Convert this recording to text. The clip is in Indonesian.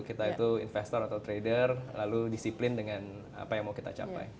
kita itu investor atau trader lalu disiplin dengan apa yang mau kita capai